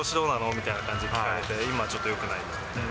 みたいな感じで聞かれて、今、ちょっとよくないって。